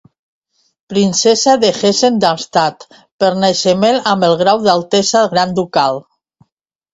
Princesa de Hessen-Darmstadt per naixement amb el grau d'altesa gran ducal.